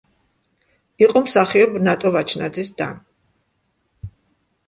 იყო მსახიობ ნატო ვაჩნაძის და.